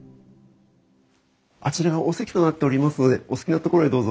あちらがお席となっておりますのでお好きな所へどうぞ。